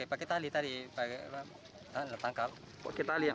pakai tali tadi pakai tangkap